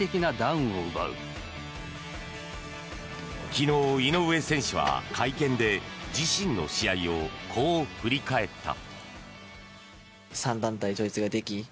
昨日、井上選手は会見で自身の試合をこう振り返った。